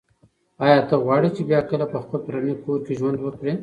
ایا ته غواړې چې بیا کله په خپل پلرني کور کې ژوند وکړې؟